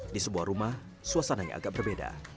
di sebuah rumah suasananya agak berbeda